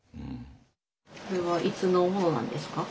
これはいつのものなんですか？